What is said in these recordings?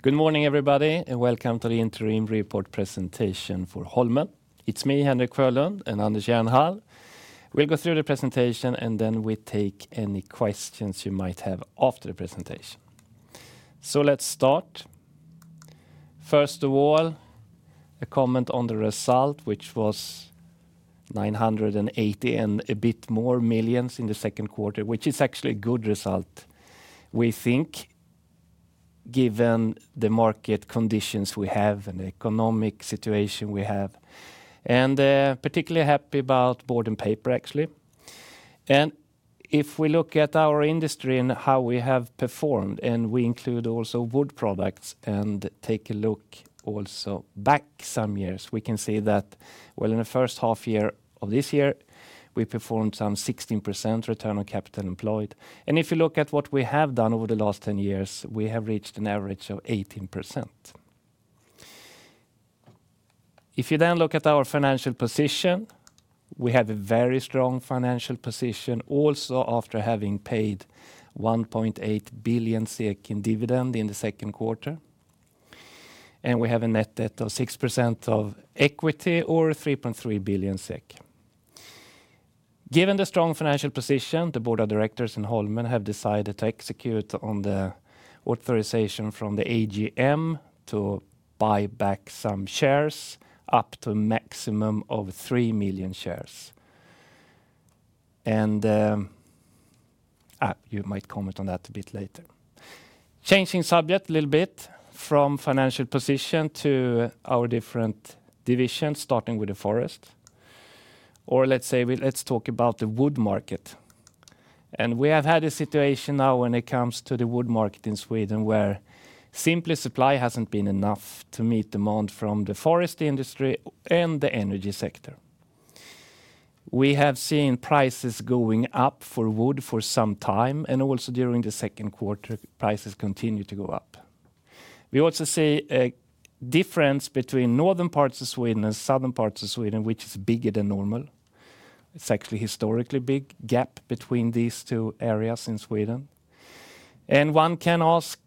Good morning, everybody, and welcome to the interim report presentation for Holmen. It's me, Henrik Sjölund, and Anders Jernhall. We'll go through the presentation, and then we take any questions you might have after the presentation. So let's start. First of all, a comment on the result, which was 980 and a bit more million in the Q2, which is actually a good result, we think, given the market conditions we have and the economic situation we have, and particularly happy about board and paper, actually. And if we look at our industry and how we have performed, and we include also wood products, and take a look also back some years, we can see that, well, in the first half year of this year, we performed some 16% return on capital employed. If you look at what we have done over the last 10 years, we have reached an average of 18%. If you then look at our financial position, we have a very strong financial position also after having paid 1.8 billion SEK in dividend in the Q2, and we have a net debt of 6% of equity or 3.3 billion SEK. Given the strong financial position, the board of directors in Holmen have decided to execute on the authorization from the AGM to buy back some shares, up to a maximum of 3 million shares. You might comment on that a bit later. Changing subject a little bit from financial position to our different divisions, starting with the forest, or let's say, let's talk about the wood market. We have had a situation now when it comes to the wood market in Sweden, where simply supply hasn't been enough to meet demand from the forest industry and the energy sector. We have seen prices going up for wood for some time, and also during the Q2, prices continue to go up. We also see a difference between northern parts of Sweden and southern parts of Sweden, which is bigger than normal. It's actually historically big gap between these two areas in Sweden. One can ask,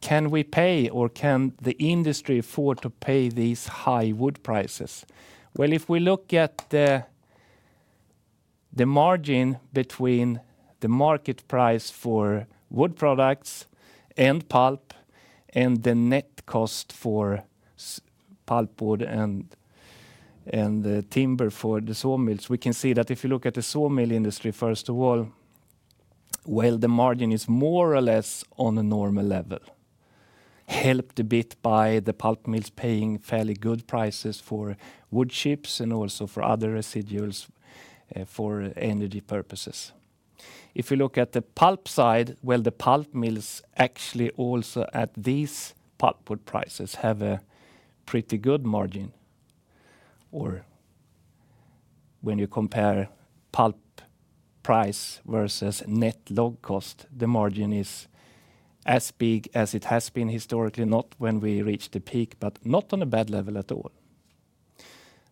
"Can we pay or can the industry afford to pay these high wood prices?" Well, if we look at the margin between the market price for wood products and pulp, and the net cost for pulpwood and timber for the sawmills, we can see that if you look at the sawmill industry, first of all, well, the margin is more or less on a normal level, helped a bit by the pulp mills paying fairly good prices for wood chips and also for other residuals for energy purposes. If you look at the pulp side, well, the pulp mills actually also at these pulpwood prices have a pretty good margin. Or when you compare pulp price versus net log cost, the margin is as big as it has been historically, not when we reached the peak, but not on a bad level at all.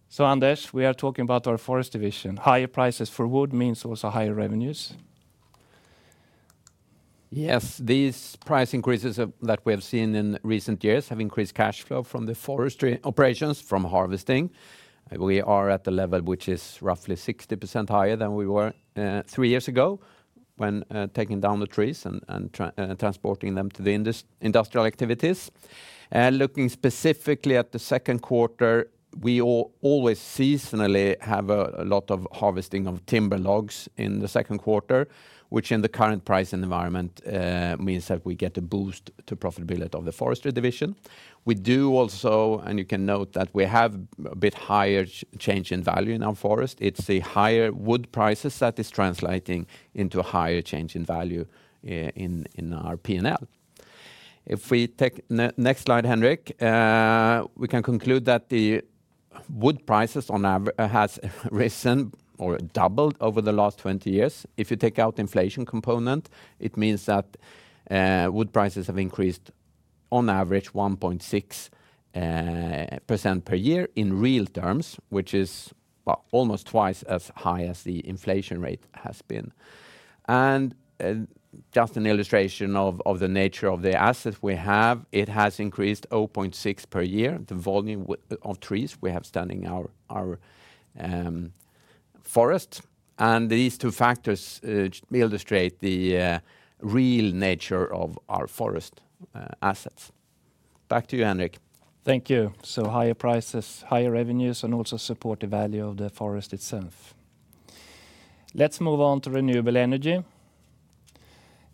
So, Anders, we are talking about our forest division. Higher prices for wood means also higher revenues. Yes, these price increases of that we have seen in recent years have increased cash flow from the forestry operations, from harvesting. We are at the level which is roughly 60% higher than we were three years ago, when taking down the trees and transporting them to the industrial activities. And looking specifically at the Q2, we always seasonally have a lot of harvesting of timber logs in the Q2, which in the current pricing environment means that we get a boost to profitability of the forestry division. We do also, and you can note that we have a bit higher change in value in our forest. It's the higher wood prices that is translating into a higher change in value in our P&L. If we take next slide, Henrik, we can conclude that the wood prices on average has risen or doubled over the last 20 years. If you take out inflation component, it means that wood prices have increased on average 1.6% per year in real terms, which is, well, almost twice as high as the inflation rate has been. And just an illustration of the nature of the assets we have, it has increased 0.6 per year, the volume of trees we have standing in our forest, and these two factors illustrate the real nature of our forest assets. Back to you, Henrik. Thank you. So higher prices, higher revenues, and also support the value of the forest itself. Let's move on to renewable energy.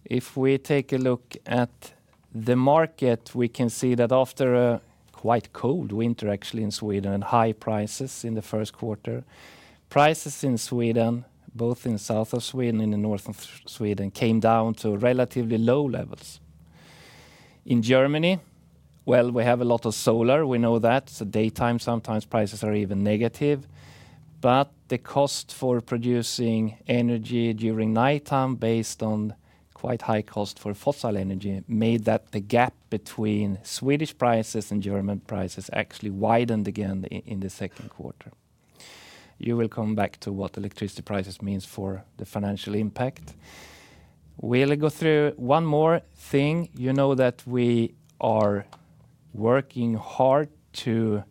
If we take a look at the market, we can see that after a quite cold winter, actually, in Sweden, and high prices in the Q1, prices in Sweden, both in the South of Sweden and the North of Sweden, came down to relatively low levels. In Germany, well, we have a lot of solar. We know that. So daytime, sometimes prices are even negative, but the cost for producing energy during nighttime, based on quite high cost for fossil energy, made that the gap between Swedish prices and German prices actually widened again in the Q2. You will come back to what electricity prices means for the financial impact. We'll go through one more thing. You know that we are working hard to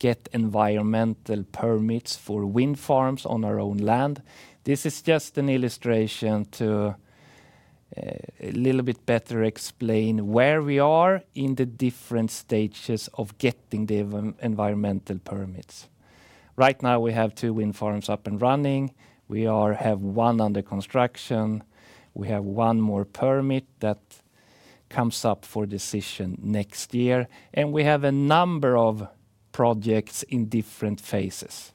get environmental permits for wind farms on our own land. This is just an illustration to a little bit better explain where we are in the different stages of getting the environmental permits. Right now, we have two wind farms up and running. We have one under construction. We have one more permit that comes up for decision next year, and we have a number of projects in different phases.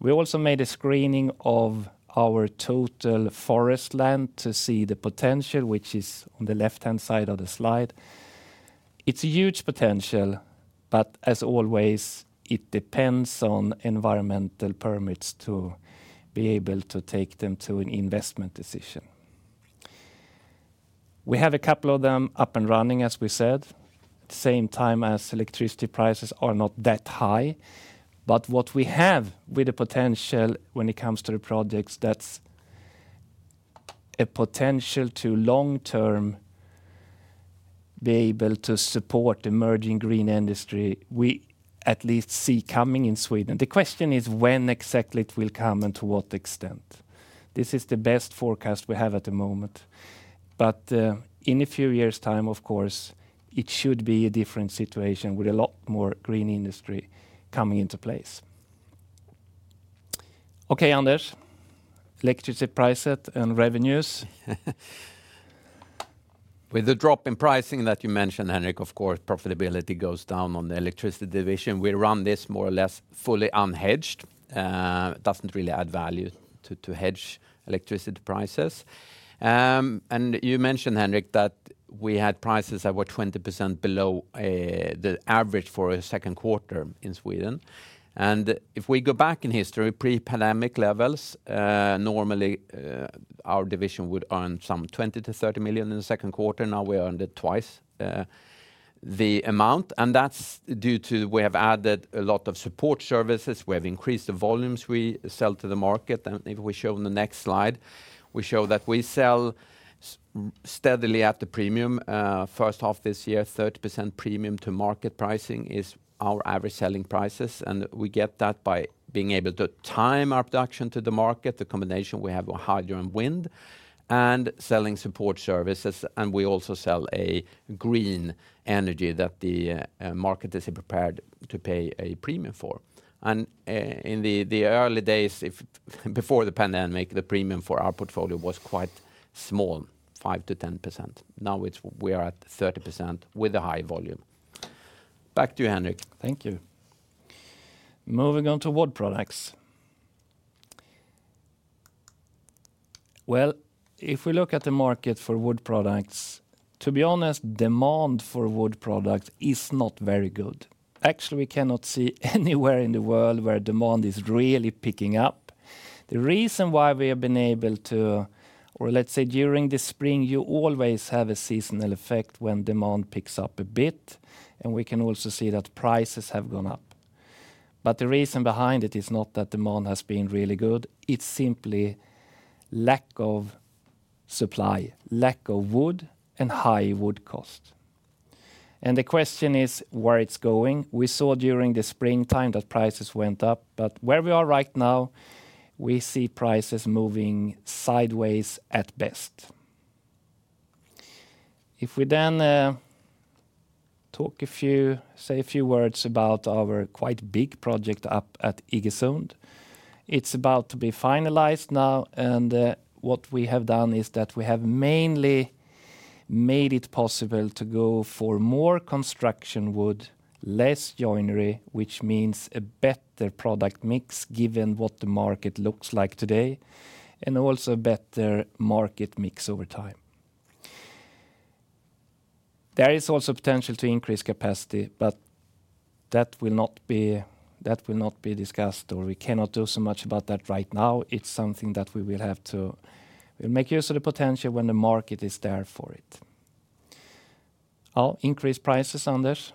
We also made a screening of our total forest land to see the potential, which is on the left-hand side of the slide. It's a huge potential, but as always, it depends on environmental permits to be able to take them to an investment decision. We have a couple of them up and running, as we said, at the same time as electricity prices are not that high. But what we have with the potential when it comes to the projects, that's a potential to long-term be able to support emerging green industry we at least see coming in Sweden. The question is when exactly it will come and to what extent? This is the best forecast we have at the moment, but in a few years' time, of course, it should be a different situation with a lot more green industry coming into place. Okay, Anders, electricity prices and revenues. With the drop in pricing that you mentioned, Henrik, of course, profitability goes down on the electricity division. We run this more or less fully unhedged. It doesn't really add value to hedge electricity prices. And you mentioned, Henrik, that we had prices that were 20% below the average for a Q2 in Sweden. And if we go back in history, pre-pandemic levels, normally, our division would earn some 20-30 million in the Q2. Now, we earned twice the amount, and that's due to we have added a lot of support services. We have increased the volumes we sell to the market, and if we show on the next slide, we show that we sell steadily at the premium. First half this year, 30% premium to market pricing is our average selling prices, and we get that by being able to time our production to the market, the combination we have of hydro and wind, and selling support services, and we also sell a green energy that the market is prepared to pay a premium for. And, in the early days before the pandemic, the premium for our portfolio was quite small, 5%-10%. Now, it's, we are at 30% with a high volume. Back to you, Henrik. Thank you. Moving on to wood products. Well, if we look at the market for wood products, to be honest, demand for wood products is not very good. Actually, we cannot see anywhere in the world where demand is really picking up. The reason why we have been able to, or let's say, during the spring, you always have a seasonal effect when demand picks up a bit, and we can also see that prices have gone up. But the reason behind it is not that demand has been really good, it's simply lack of supply, lack of wood, and high wood cost. And the question is where it's going? We saw during the springtime that prices went up, but where we are right now, we see prices moving sideways at best. If we then talk, say a few words about our quite big project up at Iggesund, it's about to be finalized now, and what we have done is that we have mainly made it possible to go for more construction wood, less joinery, which means a better product mix, given what the market looks like today, and also a better market mix over time. There is also potential to increase capacity, but that will not be, that will not be discussed, or we cannot do so much about that right now. It's something that we will have to... We'll make use of the potential when the market is there for it. Oh, increased prices, Anders?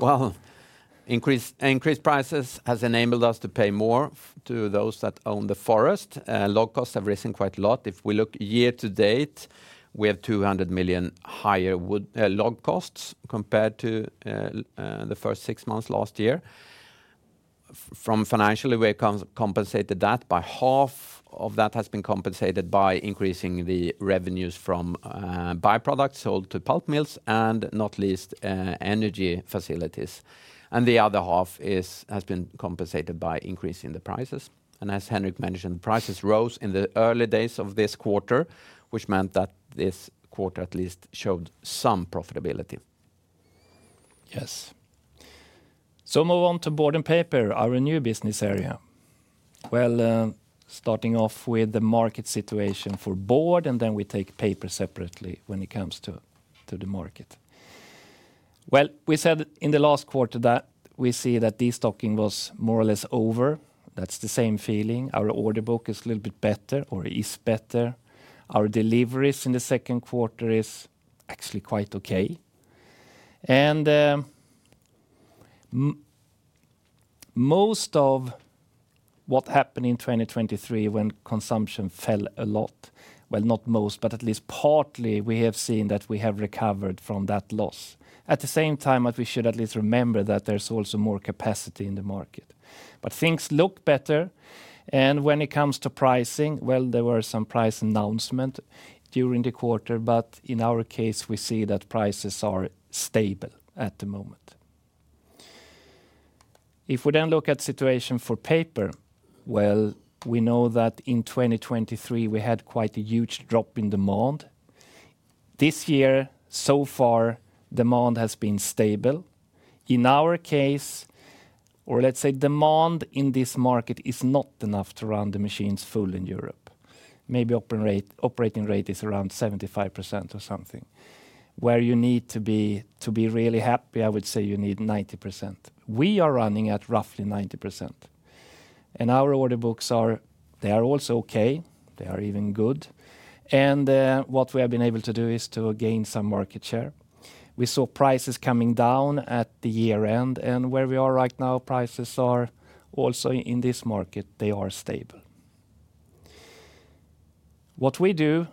Well, increased prices has enabled us to pay more to those that own the forest. Log costs have risen quite a lot. If we look year to date, we have 200 million higher wood log costs compared to the first six months last year. From financially, we compensated that by half of that has been compensated by increasing the revenues from byproducts sold to pulp mills and, not least, energy facilities, and the other half is has been compensated by increasing the prices. And as Henrik mentioned, prices rose in the early days of this quarter, which meant that this quarter at least showed some profitability. Yes. So move on to board and paper, our new business area. Well, starting off with the market situation for board, and then we take paper separately when it comes to, to the market. Well, we said in the last quarter that we see that destocking was more or less over. That's the same feeling. Our order book is a little bit better or is better. Our deliveries in the second quarter is actually quite okay. And, most of what happened in 2023 when consumption fell a lot, well, not most, but at least partly, we have seen that we have recovered from that loss. At the same time, but we should at least remember that there's also more capacity in the market. But things look better, and when it comes to pricing, well, there were some price announcement during the quarter, but in our case, we see that prices are stable at the moment. If we then look at situation for paper, well, we know that in 2023, we had quite a huge drop in demand. This year, so far, demand has been stable. In our case, or let's say demand in this market is not enough to run the machines full in Europe. Maybe operating rate is around 75% or something, where you need to be, to be really happy, I would say you need 90%. We are running at roughly 90%, and our order books are, they are also okay. They are even good. And what we have been able to do is to gain some market share. We saw prices coming down at the year-end, and where we are right now, prices are also in this market, they are stable. What we do,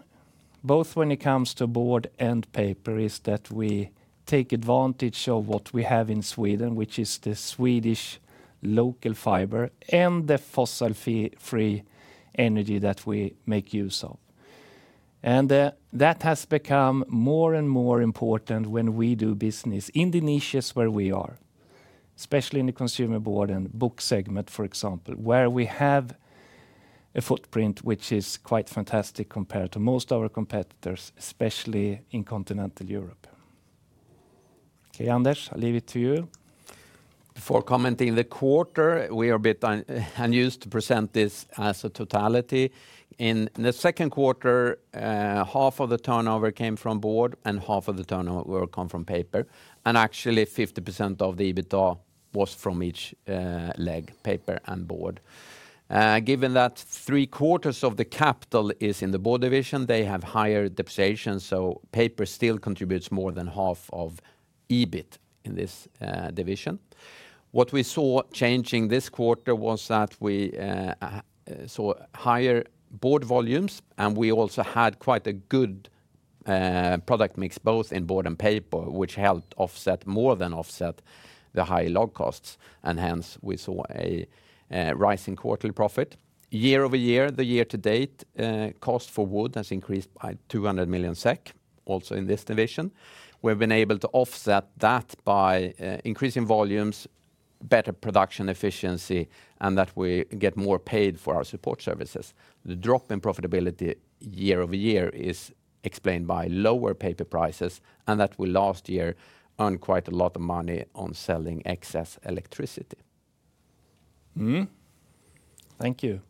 both when it comes to board and paper, is that we take advantage of what we have in Sweden, which is the Swedish local fiber and the fossil-free energy that we make use of. That has become more and more important when we do business in the niches where we are, especially in the consumer board and book segment, for example, where we have a footprint, which is quite fantastic compared to most of our competitors, especially in Continental Europe. Okay, Anders, I leave it to you. Before commenting the quarter, we are a bit unused to present this as a totality. In the Q2, half of the turnover came from board, and half of the turnover come from paper, and actually, 50% of the EBITDA was from each leg, paper and board. Given that Q3 of the capital is in the board division, they have higher depreciation, so paper still contributes more than half of EBIT in this division. What we saw changing this quarter was that we saw higher board volumes, and we also had quite a good product mix, both in board and paper, which helped offset, more than offset the high log costs, and hence we saw a rise in quarterly profit. Year over year, the year to date, cost for wood has increased by 200 million SEK, also in this division. We've been able to offset that by, increasing volumes, better production efficiency, and that we get more paid for our support services. The drop in profitability year over year is explained by lower paper prices, and that we last year earned quite a lot of money on selling excess electricity. Mm-hmm. Thank you.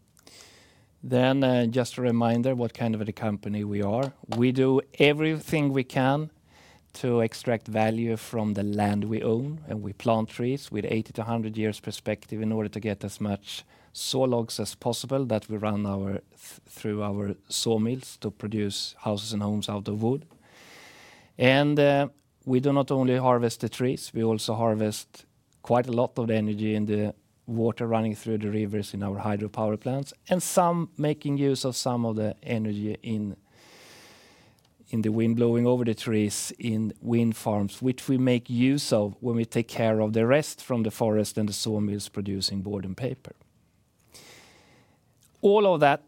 Then, just a reminder what kind of a company we are. We do everything we can to extract value from the land we own, and we plant trees with 80-100 years perspective in order to get as much sawlogs as possible that we run our through our sawmills to produce houses and homes out of wood. And, we do not only harvest the trees, we also harvest quite a lot of the energy and the water running through the rivers in our hydropower plants, and some making use of some of the energy in the wind blowing over the trees, in wind farms, which we make use of when we take care of the rest from the forest and the sawmills producing board and paper. All of that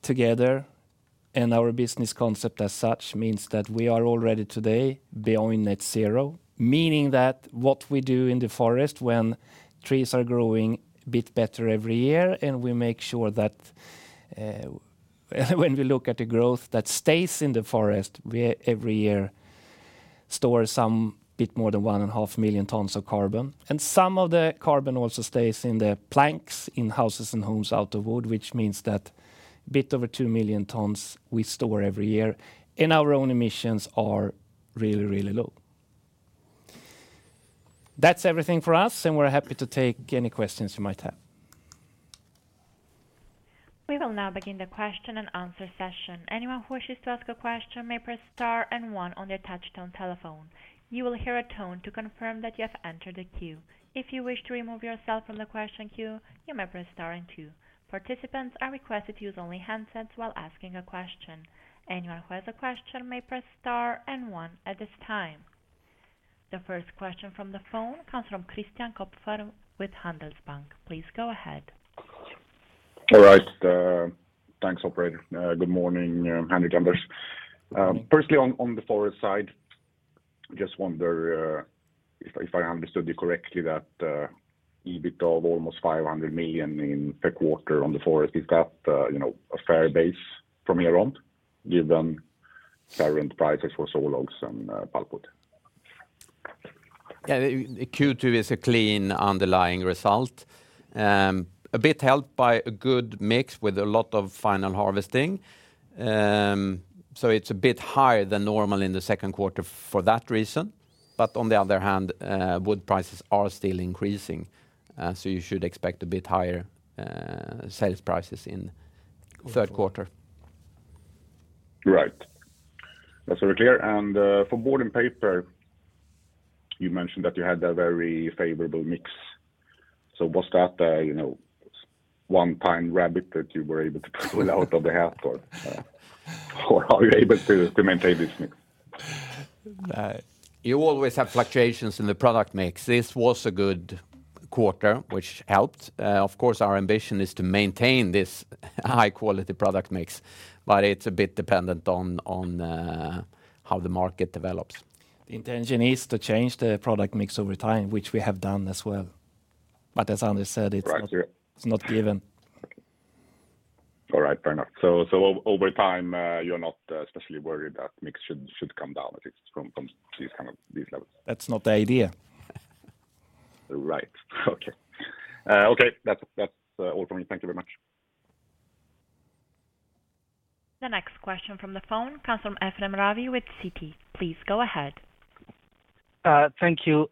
together, and our business concept as such, means that we are already today beyond net zero, meaning that what we do in the forest when trees are growing a bit better every year, and we make sure that, when we look at the growth that stays in the forest, we, every year, store some bit more than 1.5 million tons of carbon. And some of the carbon also stays in the planks, in houses and homes out of wood, which means that a bit over 2 million tons we store every year, and our own emissions are really, really low. That's everything for us, and we're happy to take any questions you might have. We will now begin the question and answer session. Anyone who wishes to ask a question may press star and one on their touchtone telephone. You will hear a tone to confirm that you have entered the queue. If you wish to remove yourself from the question queue, you may press star and two. Participants are requested to use only handsets while asking a question. Anyone who has a question may press star and one at this time. The first question from the phone comes from Christian Kopfer with Handelsbanken. Please go ahead. All right, thanks, operator. Good morning, Henrik and Anders. Firstly, on the forest side, I just wonder if I understood you correctly, that EBIT of almost 500 million per quarter on the forest, is that you know a fair base from here on, given current prices for sawlogs and pulpwood? Yeah, Q2 is a clean, underlying result, a bit helped by a good mix with a lot of final harvesting. So it's a bit higher than normal in the Q4 for that reason, but on the other hand, wood prices are still increasing, so you should expect a bit higher sales prices in Q3.... Right. That's very clear. And for board and paper, you mentioned that you had a very favorable mix. So was that a, you know, one-time rabbit that you were able to pull out of the hat, or or are you able to, to maintain this mix? You always have fluctuations in the product mix. This was a good quarter, which helped. Of course, our ambition is to maintain this high-quality product mix, but it's a bit dependent on how the market develops. The intention is to change the product mix over time, which we have done as well. But as Anders said, it's not- Right, yeah... it's not given. All right, fair enough. So, over time, you're not especially worried that mix should come down, at least from these kind of these levels? That's not the idea. Right. Okay. Okay, that's all from me. Thank you very much. The next question from the phone comes from Ephrem Ravi with Citi. Please go ahead. Thank you.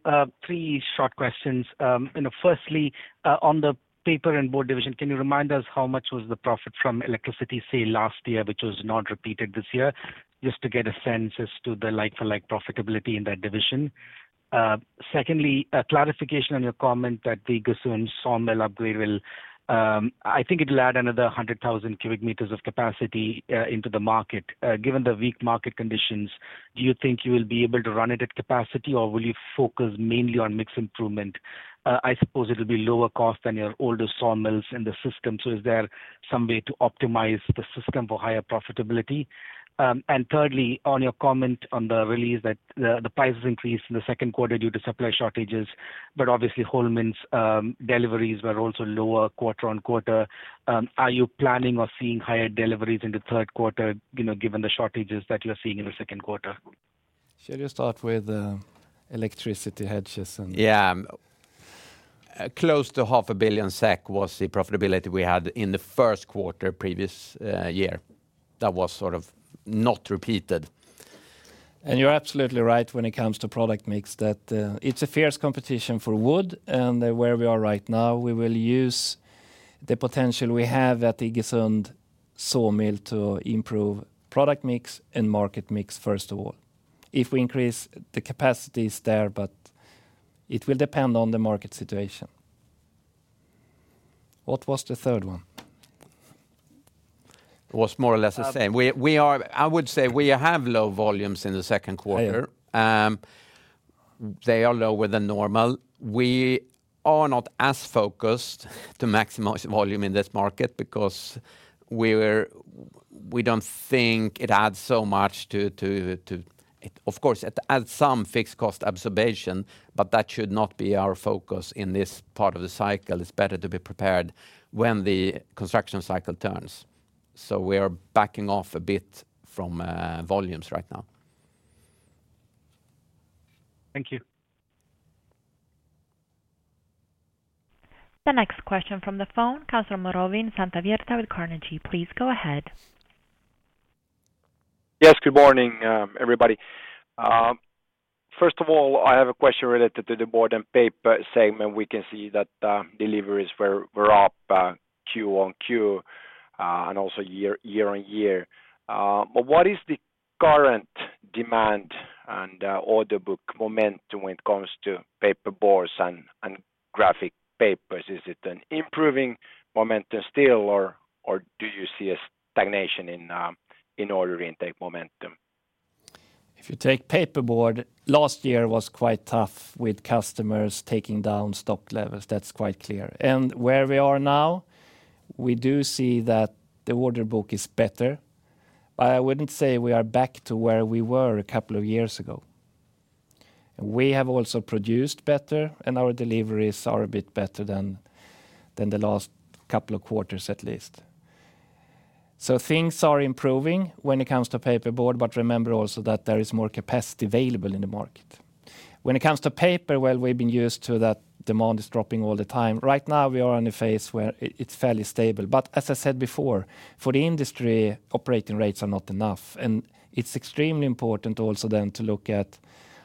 Three short questions. You know, firstly, on the paper and board division, can you remind us how much was the profit from electricity, say, last year, which was not repeated this year? Just to get a sense as to the like-for-like profitability in that division. Secondly, a clarification on your comment that the Iggesund sawmill upgrade will, I think it'll add another 100,000 cubic meters of capacity into the market. Given the weak market conditions, do you think you will be able to run it at capacity, or will you focus mainly on mix improvement? I suppose it'll be lower cost than your older sawmills in the system, so is there some way to optimize the system for higher profitability? Thirdly, on your comment on the release that the prices increased in the Q2 due to supply shortages, but obviously, Holmen's deliveries were also lower quarter-over-quarter. Are you planning or seeing higher deliveries in the Q3, you know, given the shortages that you're seeing in the Q2? Should you start with electricity hedges and- Yeah. Close to 500 million SEK was the profitability we had in the Q1, previous year. That was sort of not repeated. You're absolutely right when it comes to product mix, that it's a fierce competition for wood. Where we are right now, we will use the potential we have at Iggesund sawmill to improve product mix and market mix, first of all. If we increase the capacities there, but it will depend on the market situation. What was the third one? It was more or less the same. Um- We are—I would say we have low volumes in the Q2. Higher. They are lower than normal. We are not as focused to maximize volume in this market because we don't think it adds so much to, of course, it adds some fixed cost observation, but that should not be our focus in this part of the cycle. It's better to be prepared when the construction cycle turns. So we are backing off a bit from volumes right now. Thank you. The next question from the phone comes from Robin Santavirta with Carnegie. Please go ahead. Yes, good morning, everybody. First of all, I have a question related to the board and paper segment. We can see that deliveries were up Q on Q, and also year-over-year. But what is the current demand and order book momentum when it comes to paper boards and graphic papers? Is it an improving momentum still, or do you see a stagnation in order intake momentum? If you take paperboard, last year was quite tough with customers taking down stock levels. That's quite clear. And where we are now, we do see that the order book is better. I wouldn't say we are back to where we were a couple of years ago. We have also produced better, and our deliveries are a bit better than, than the last couple of quarters, at least. So things are improving when it comes to paperboard, but remember also that there is more capacity available in the market. When it comes to paper, well, we've been used to that demand is dropping all the time. Right now, we are in a phase where it, it's fairly stable. But as I said before, for the industry, operating rates are not enough, and it's extremely important also then to look at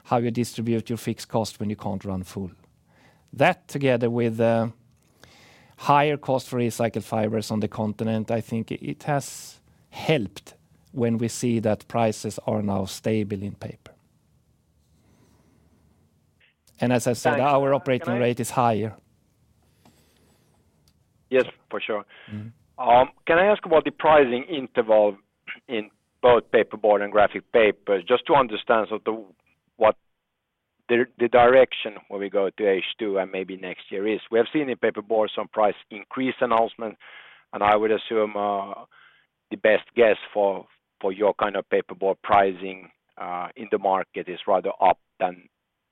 how you distribute your fixed cost when you can't run full. That, together with the higher cost for recycled fibers on the continent, I think it has helped when we see that prices are now stable in paper. As I said, our operating rate is higher. Yes, for sure. Mm-hmm. Can I ask about the pricing interval in both paperboard and graphic papers, just to understand sort of what the direction when we go to H2 and maybe next year is? We have seen in paperboard some price increase announcement, and I would assume the best guess for your kind of paperboard pricing in the market is rather up than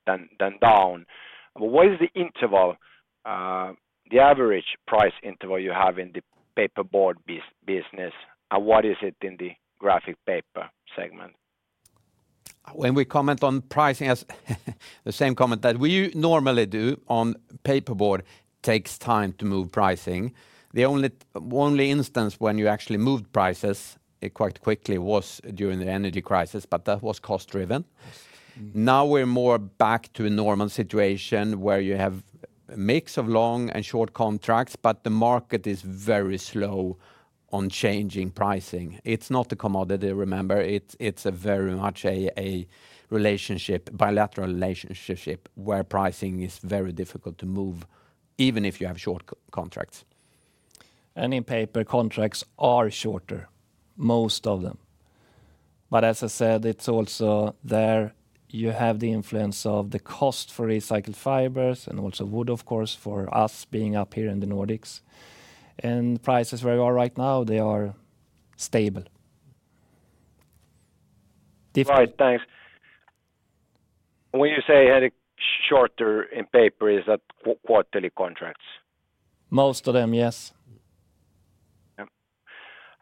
down. But what is the interval, the average price interval you have in the paperboard business, and what is it in the graphic paper segment? When we comment on pricing, [it's] the same comment that we normally do on paperboard[, it] takes time to move pricing. The only instance when you actually moved prices, it quite quickly was during the energy crisis, but that was cost-driven. Yes. Mm. Now, we're more back to a normal situation, where you have a mix of long and short contracts, but the market is very slow on changing pricing. It's not a commodity, remember, it's a very much a relationship, bilateral relationship where pricing is very difficult to move, even if you have short contracts. And in paper, contracts are shorter, most of them. But as I said, it's also there you have the influence of the cost for recycled fibers and also wood, of course, for us being up here in the Nordics. And prices where we are right now, they are stable. All right, thanks. When you say any shorter in paper, is that quarterly contracts? Most of them, yes. Yeah.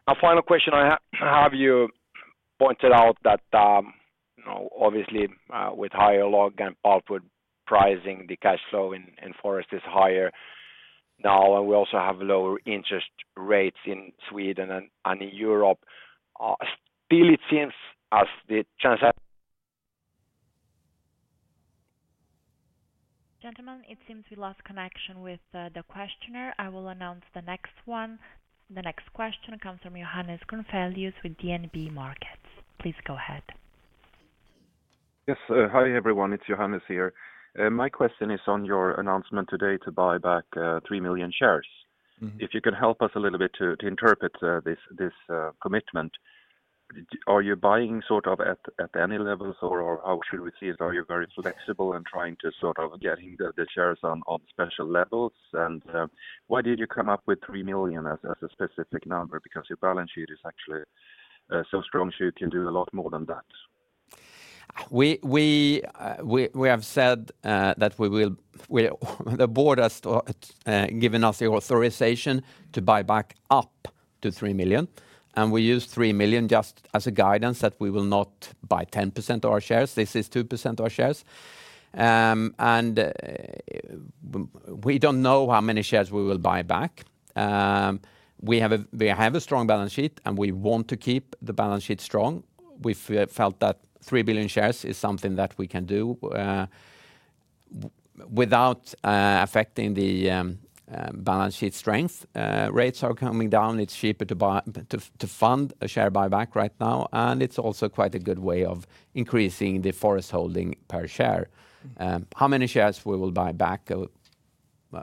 A final question I have: have you pointed out that, you know, obviously, with higher log and output pricing, the cash flow in forest is higher now, and we also have lower interest rates in Sweden and in Europe. Still, it seems as the transac- Gentlemen, it seems we lost connection with the questioner. I will announce the next one. The next question comes from Johannes Grunselius with DNB Markets. Please go ahead. Yes, hi, everyone. It's Johannes here. My question is on your announcement today to buy back 3 million shares. Mm-hmm. If you can help us a little bit to interpret this commitment. Do you buying sort of at any levels, or how should we see it? Are you very flexible and trying to sort of getting the shares on special levels? And why did you come up with 3 million as a specific number? Because your balance sheet is actually so strong, so you can do a lot more than that. We have said that we will—the board has given us the authorization to buy back up to 3 million, and we use 3 million just as a guidance that we will not buy 10% of our shares. This is 2% of our shares. And we don't know how many shares we will buy back. We have a strong balance sheet, and we want to keep the balance sheet strong. We felt that 3 billion shares is something that we can do without affecting the balance sheet strength. Rates are coming down. It's cheaper to buy—to fund a share buyback right now, and it's also quite a good way of increasing the forest holding per share. How many shares we will buy back,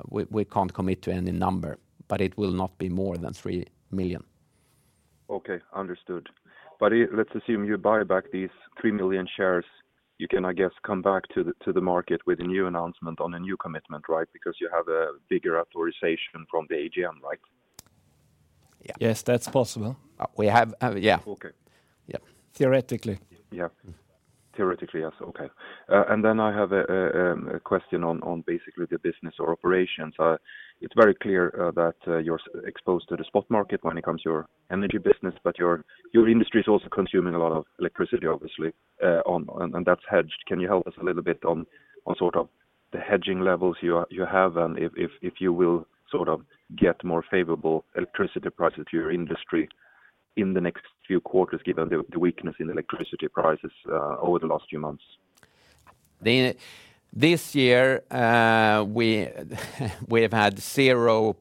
we can't commit to any number, but it will not be more than 3 million. Okay, understood. But let's assume you buy back these 3 million shares, you can, I guess, come back to the, to the market with a new announcement on a new commitment, right? Because you have a bigger authorization from the AGM, right? Yeah. Yes, that's possible. We have, yeah. Okay. Yeah. Theoretically. Yeah. Theoretically, yes. Okay. And then I have a question on basically the business or operations. It's very clear that you're exposed to the spot market when it comes to your energy business, but your industry is also consuming a lot of electricity, obviously, and that's hedged. Can you help us a little bit on sort of the hedging levels you have, and if you will sort of get more favorable electricity prices to your industry in the next few quarters, given the weakness in electricity prices over the last few months? This year, we have had zero.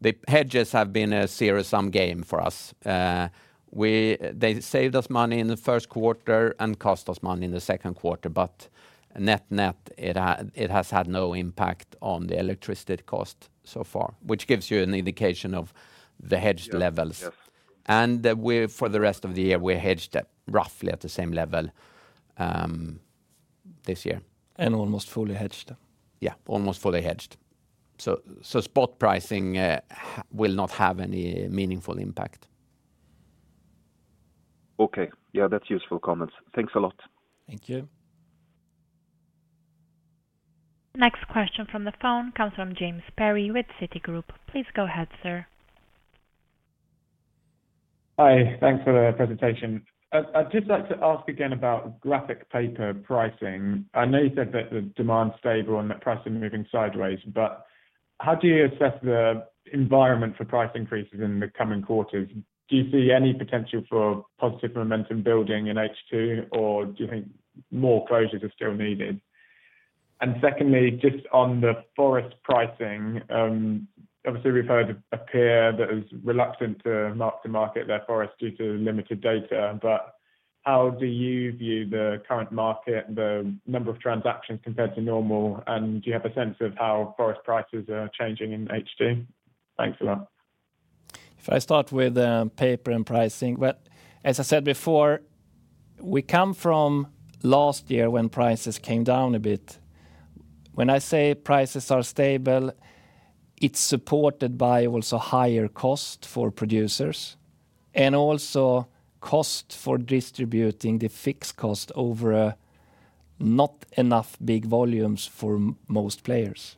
The hedges have been a zero-sum game for us. They saved us money in the Q1 and cost us money in the Q2, but net-net, it has had no impact on the electricity cost so far, which gives you an indication of the hedged levels. Yeah. Yeah. For the rest of the year, we're hedged at roughly the same level this year. And almost fully hedged. Yeah, almost fully hedged. So, spot pricing will not have any meaningful impact. Okay. Yeah, that's useful comments. Thanks a lot. Thank you. Next question from the phone comes from James Perry with Citigroup. Please go ahead, sir. Hi, thanks for the presentation. I'd just like to ask again about graphic paper pricing. I know you said that the demand's stable and the price is moving sideways, but how do you assess the environment for price increases in the coming quarters? Do you see any potential for positive momentum building in H2, or do you think more closures are still needed? And secondly, just on the forest pricing, obviously we've heard a peer that is reluctant to mark-to-market their forest due to limited data, but how do you view the current market, the number of transactions compared to normal? And do you have a sense of how forest prices are changing in H2? Thanks a lot. If I start with paper and pricing, well, as I said before, we come from last year when prices came down a bit. When I say prices are stable, it's supported by also higher cost for producers, and also cost for distributing the fixed cost over not enough big volumes for most players.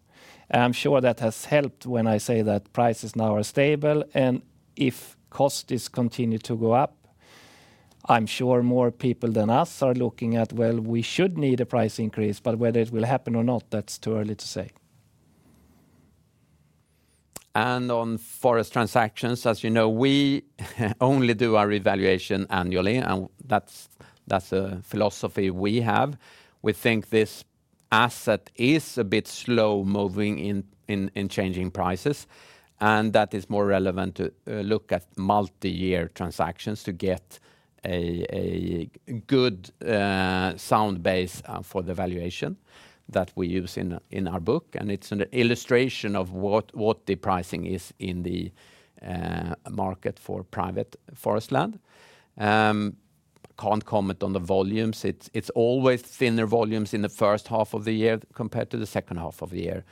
I'm sure that has helped when I say that prices now are stable, and if costs continue to go up, I'm sure more people than us are looking at, well, we should need a price increase, but whether it will happen or not, that's too early to say. ... And on forest transactions, as you know, we only do our evaluation annually, and that's a philosophy we have. We think this asset is a bit slow-moving in changing prices, and that is more relevant to look at multi-year transactions to get a good sound base for the valuation that we use in our book. And it's an illustration of what the pricing is in the market for private forest land. Can't comment on the volumes. It's always thinner volumes in the first half of the year compared to the second half of the year,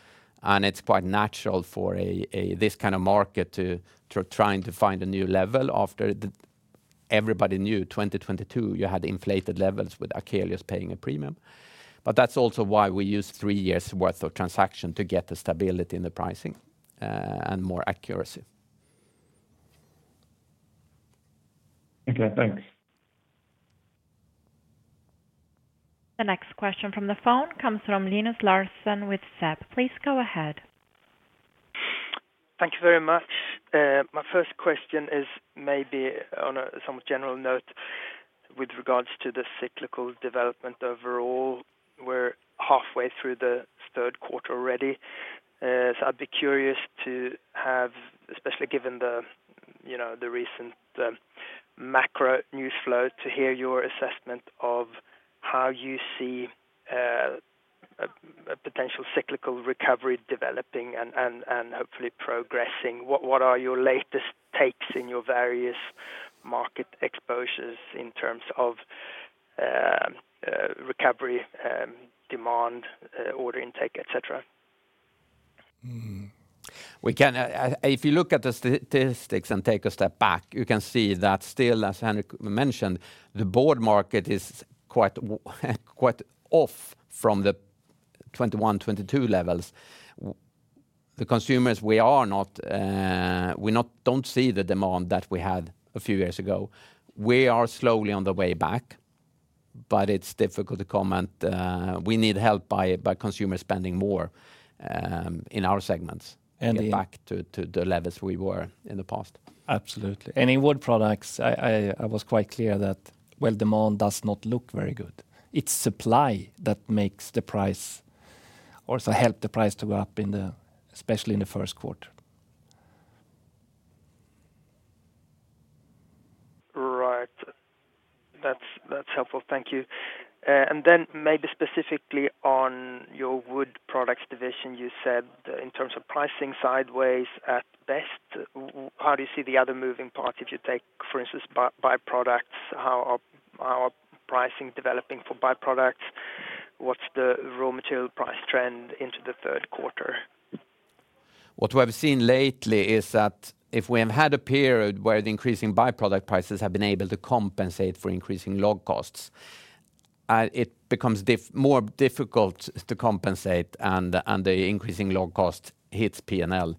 and it's quite natural for this kind of market to trying to find a new level after the... Everybody knew 2022, you had inflated levels with Akelius paying a premium. But that's also why we use three years' worth of transaction to get the stability in the pricing, and more accuracy. Okay, thanks. The next question from the phone comes from Linus Larsson with SEB. Please go ahead. Thank you very much. My first question is maybe on a somewhat general note with regards to the cyclical development. Overall, we're halfway through the Q3 already. So I'd be curious to have, especially given the, you know, the recent, macro news flow, to hear your assessment of how you see, a, a potential cyclical recovery developing and, and, and hopefully progressing. What are your latest takes in your various market exposures in terms of, recovery, demand, order intake, et cetera? We can, if you look at the statistics and take a step back, you can see that still, as Henrik mentioned, the board market is quite off from the 2021, 2022 levels. The consumers, we are not, we don't see the demand that we had a few years ago. We are slowly on the way back, but it's difficult to comment. We need help by, by consumer spending more, in our segments- And the- back to the levels we were in the past. Absolutely. In wood products, I was quite clear that, well, demand does not look very good. It's supply that makes the price or so help the price to go up in the, especially in the Q1. Right. That's, that's helpful. Thank you. And then maybe specifically on your wood products division, you said, in terms of pricing sideways at best, how do you see the other moving parts? If you take, for instance, byproducts, how is pricing developing for byproducts? What's the raw material price trend into the Q3? What we have seen lately is that if we have had a period where the increasing byproduct prices have been able to compensate for increasing log costs, it becomes more difficult to compensate, and the increasing log cost hits P&L.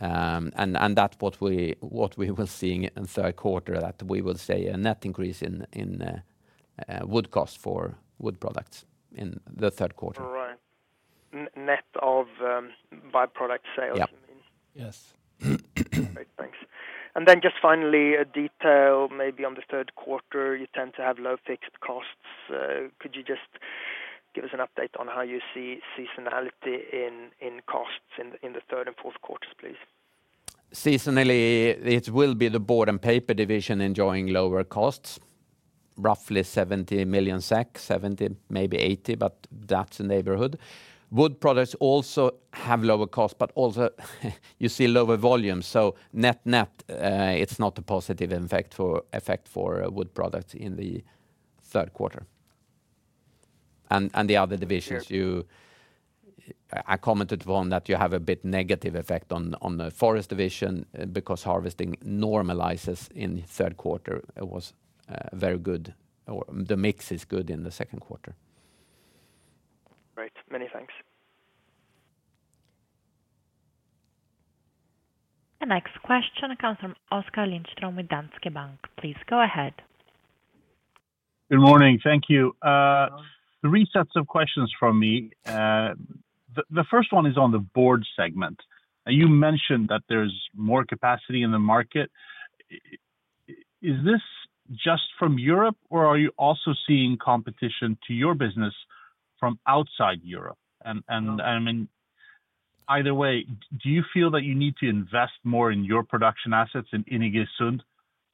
And that we were seeing in Q3, that we will see a net increase in wood cost for wood products in the Q3. Right. Net of byproduct sales, you mean? Yeah. Yes. Great, thanks. And then just finally, a detail maybe on the Q3, you tend to have low fixed costs. Could you just give us an update on how you see seasonality in costs in the third and Q4, please? Seasonally, it will be the board and paper division enjoying lower costs, roughly 70 million SEK, 70, maybe 80, but that's the neighborhood. Wood products also have lower cost, but also you see lower volume, so net-net, it's not a positive effect for wood products in the Q3. And the other divisions- Sure ...you, I commented on that you have a bit negative effect on the forest division because harvesting normalizes in the Q3. It was very good, or the mix is good in the Q2. Great. Many thanks. The next question comes from Oskar Lindström with Danske Bank. Please go ahead. Good morning. Thank you. Three sets of questions from me. The first one is on the board segment. Now, you mentioned that there's more capacity in the market. Is this just from Europe, or are you also seeing competition to your business from outside Europe? And I mean, either way, do you feel that you need to invest more in your production assets in Iggesund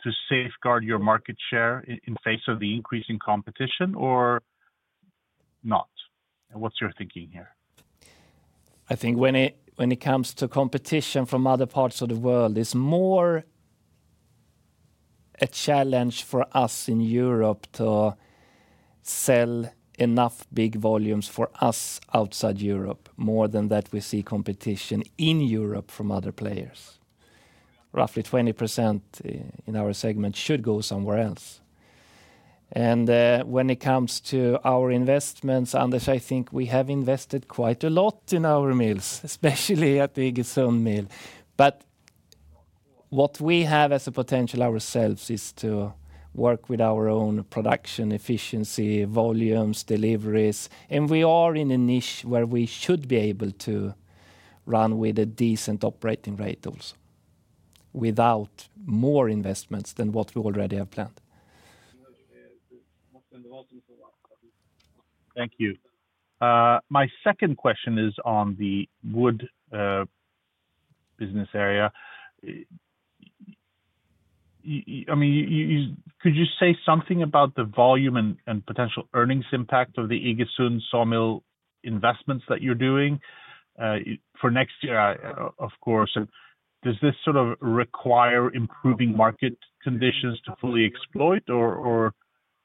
to safeguard your market share in face of the increasing competition or not? And what's your thinking here? I think when it comes to competition from other parts of the world, it's more a challenge for us in Europe to sell enough big volumes for us outside Europe, more than that we see competition in Europe from other players. Roughly 20% in our segment should go somewhere else. And when it comes to our investments, Anders, I think we have invested quite a lot in our mills, especially at the Iggesund mill. So what we have as a potential ourselves is to work with our own production efficiency, volumes, deliveries, and we are in a niche where we should be able to run with a decent operating rate also, without more investments than what we already have planned. Thank you. My second question is on the wood business area. I mean, you could say something about the volume and potential earnings impact of the Iggesund sawmill investments that you're doing for next year, of course? Does this sort of require improving market conditions to fully exploit? Or,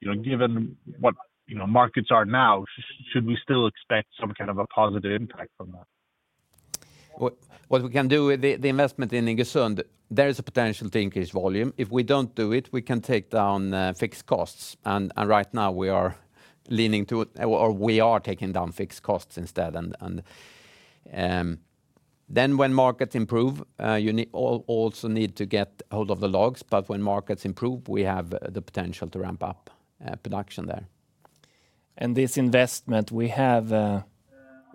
you know, given what, you know, markets are now, should we still expect some kind of a positive impact from that? What we can do with the investment in Iggesund, there is a potential to increase volume. If we don't do it, we can take down fixed costs, and then when markets improve, you need also to get hold of the logs, but when markets improve, we have the potential to ramp up production there. This investment, we have,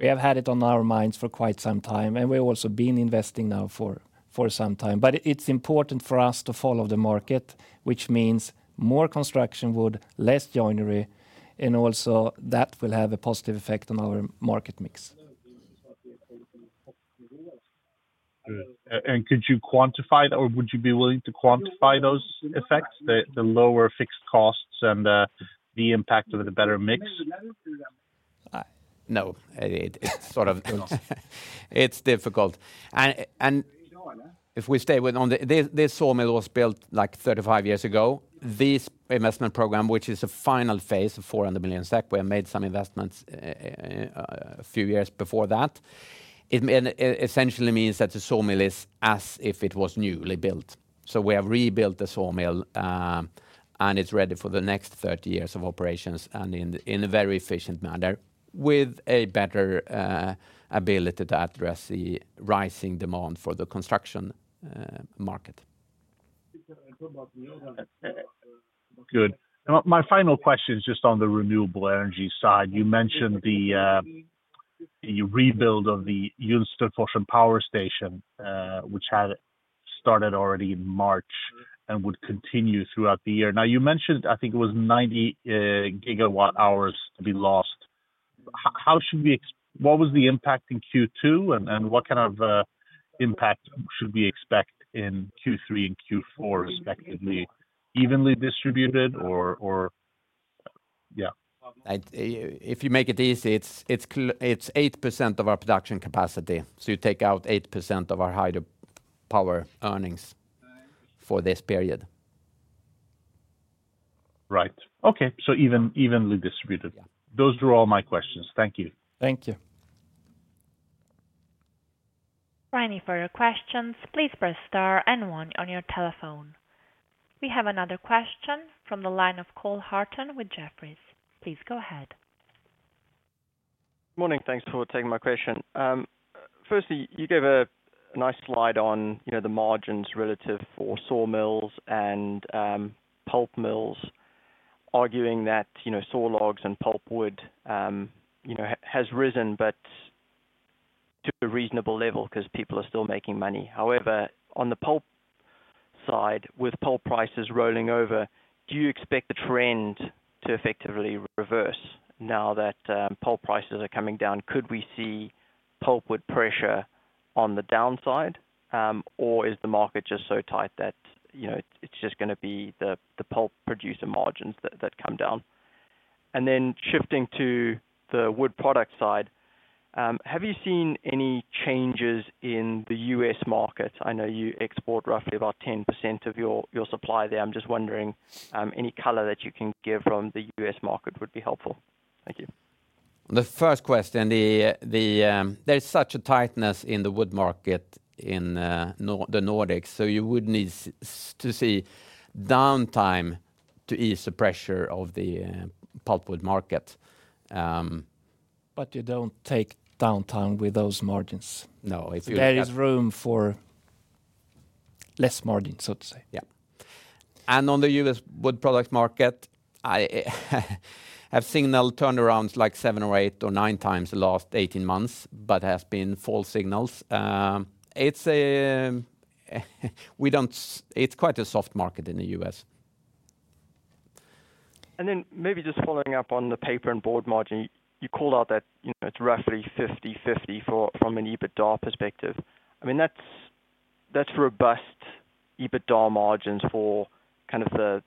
we have had it on our minds for quite some time, and we've also been investing now for some time. But it's important for us to follow the market, which means more construction wood, less joinery, and also that will have a positive effect on our market mix. Good. And could you quantify, or would you be willing to quantify those effects, the lower fixed costs and the impact of the better mix? No, it's sort of difficult. And if we stay with this, this sawmill was built, like, 35 years ago. This investment program, which is a final phase of 400 million SEK, we have made some investments a few years before that. It essentially means that the sawmill is as if it was newly built. So we have rebuilt the sawmill, and it's ready for the next 30 years of operations, and in a very efficient manner, with a better ability to address the rising demand for the construction market. Good. Now, my final question is just on the renewable energy side. You mentioned the rebuild of the Junsterforsen Power Station, which had started already in March and would continue throughout the year. Now, you mentioned, I think it was 90 GWh to be lost. What was the impact in Q2, and what kind of impact should we expect in Q3 and Q4, respectively? Evenly distributed or... Yeah. I, if you make it easy, it's 8% of our production capacity, so you take out 8% of our hydropower earnings for this period. Right. Okay, so evenly, evenly distributed. Yeah. Those are all my questions. Thank you. Thank you. Thank you for your questions. Please press star and one on your telephone. We have another question from the line of Cole Hathorn with Jefferies. Please go ahead. Morning. Thanks for taking my question. Firstly, you gave a nice slide on, you know, the margins relative for sawmills and pulp mills, arguing that, you know, saw logs and pulpwood, you know, has risen, but to a reasonable level, because people are still making money. However, on the pulp side, with pulp prices rolling over, do you expect the trend to effectively reverse now that pulp prices are coming down? Could we see pulpwood pressure on the downside, or is the market just so tight that, you know, it's just gonna be the pulp producer margins that come down? And then shifting to the wood product side, have you seen any changes in the U.S. market? I know you export roughly about 10% of your supply there. I'm just wondering, any color that you can give from the U.S. market would be helpful. Thank you. The first question, there's such a tightness in the wood market in the Nordics, so you would need to see downtime to ease the pressure of the pulpwood market. But you don't take downtime with those margins. No, it's- There is room for less margin, so to say. Yeah. And on the U.S. wood products market, I have seen turnarounds, like, 7 or 8 or 9 times the last 18 months, but has been false signals. It's quite a soft market in the U.S. Then maybe just following up on the paper and board margin, you called out that, you know, it's roughly 50/50 from an EBITDA perspective. I mean, that's, that's robust EBITDA margins for kind of the,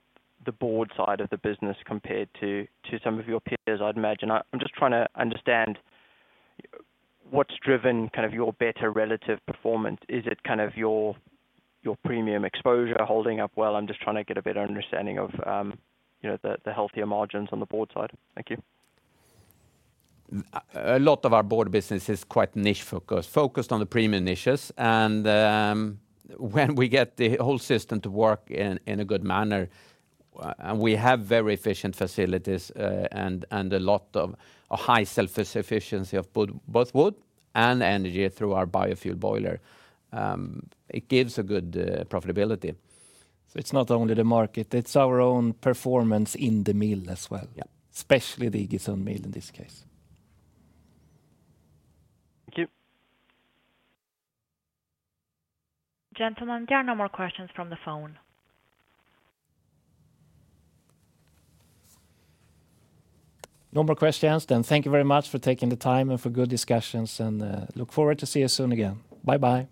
the board side of the business compared to, to some of your peers, I'd imagine. I'm just trying to understand what's driven kind of your better relative performance. Is it kind of your, your premium exposure holding up well? I'm just trying to get a better understanding of, you know, the, the healthier margins on the board side. Thank you. A lot of our board business is quite niche-focused on the premium niches, and when we get the whole system to work in a good manner, and we have very efficient facilities, and a high self-sufficiency of wood, both wood and energy through our biofuel boiler, it gives a good profitability. It's not only the market, it's our own performance in the mill as well. Yeah. Especially the Iggesund mill in this case. Thank you. Gentlemen, there are no more questions from the phone. No more questions, then thank you very much for taking the time and for good discussions, and, look forward to see you soon again. Bye-bye.